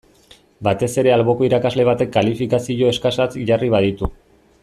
Batez ere alboko irakasle batek kalifikazio eskasak jarri baditu.